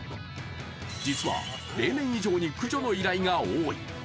実は例年以上に駆除の依頼が多い。